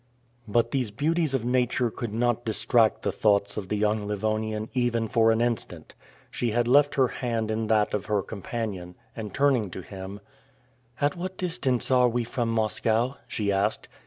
But these beauties of nature could not distract the thoughts of the young Livonian even for an instant. She had left her hand in that of her companion, and turning to him, "At what distance are we from Moscow?" she asked.